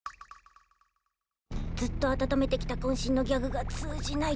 ずっと温めてきた渾身のギャグが通じないとは。